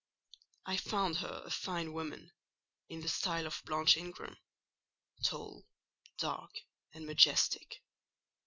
I found her a fine woman, in the style of Blanche Ingram: tall, dark, and majestic.